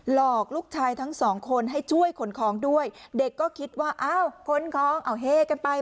หลอกลูกชายทั้งสองคนให้ช่วยขนของด้วยเด็กก็คิดว่าอ้าวขนของเอาเฮกันไป